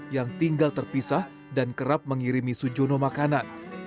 yang tinggal terpisah dan kerap mengirimi sujono makanan